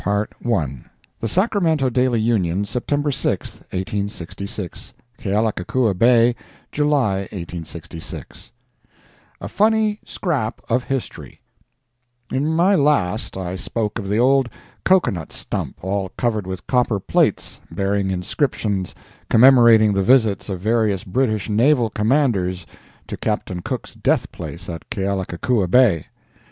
MARK TWAIN. The Sacramento Daily Union, September 6, 1866 Kealakekua Bay, July, 1866 A FUNNY SCRAP OF HISTORY In my last I spoke of the old cocoa nut stump, all covered with copper plates bearing inscriptions commemorating the visits of various British naval commanders to Captain Cook's death place at Kealakekua Bay.